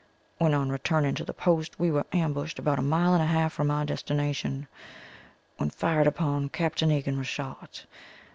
When on returning to the Post we were ambushed about a mile and a half from our destination. When fired upon Capt. Egan was shot.